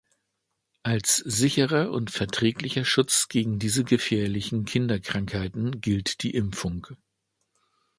Als sicherer und verträglicher Schutz gegen diese gefährlichen Kinderkrankheiten gilt die Impfung.